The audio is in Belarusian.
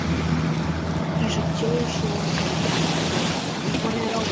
І жыццё ішло само па сабе.